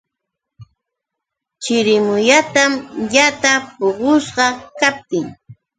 Chirimuyatam yataa puqushqa kaptin.